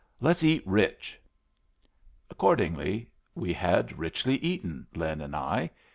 Let's eat rich!" Accordingly, we had richly eaten, Lin and I.